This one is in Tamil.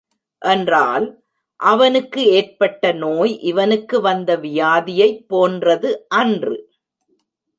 என்றால், அவனுக்கு ஏற்பட்ட நோய் இவனுக்கு வந்த வியாதியைப் போன்றது அன்று.